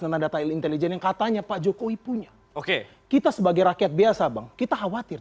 tentang data intelijen yang katanya pak jokowi punya oke kita sebagai rakyat biasa bang kita khawatir